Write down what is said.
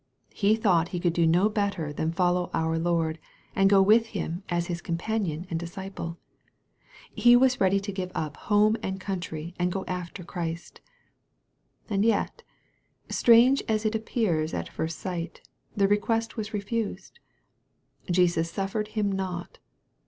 He thought he could not do better than follow our Lord, and go with Him as his companion and disciple. He was ready to give up home and country, and go after Christ. And yet, strange as it appears at first sight, the request was refused. "Jesus suffered him not."